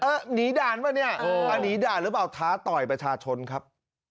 หนีด่านป่ะเนี่ยหนีด่านหรือเปล่าท้าต่อยประชาชนครับ